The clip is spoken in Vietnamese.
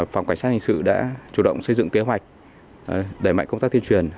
phòng cảnh sát hình sự đã chủ động xây dựng kế hoạch đẩy mạnh công tác tuyên truyền